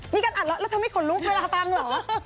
นี่กันอัดแล้วแล้วทำไมขนลูกเวลาฟังเหรอ